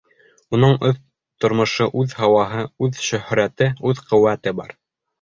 Уның үҙ тормошо, үҙ һауаһы, үҙ шөһрәте, үҙ ҡеүәте бар.